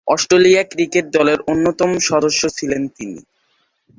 Australia cricket দলের অন্যতম সদস্য ছিলেন তিনি।